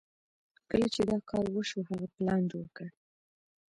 کله چې دا کار وشو هغه پلان جوړ کړ.